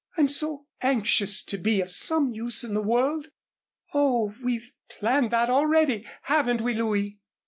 I'm so anxious to be of some use in the world. Oh, we've planned that already, haven't we, Louis?"